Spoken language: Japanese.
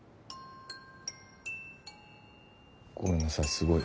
ごめんなさい。